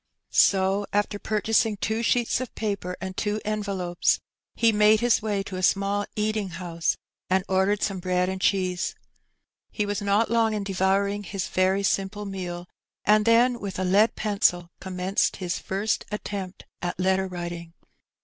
So after purchasing two sheets of paper and two enve lopes, he made his way to a small eating house and ordered some bread and cheese. He was not long in devouring his very simple meal, and then with a lead pencil commenced his first attempt at letter writing.